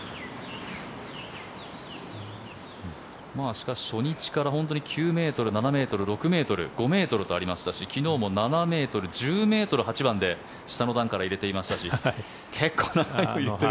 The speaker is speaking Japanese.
しかし初日から９ｍ、７ｍ６ｍ、５ｍとありましたし昨日も７ｍ、１０ｍ８番で下の段から入れていましたし結構長い距離。